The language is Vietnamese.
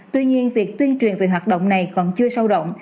tuy nhiên việc tuyên truyền về hoạt động này còn chưa sâu động